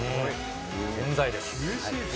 健在です。